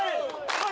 はい！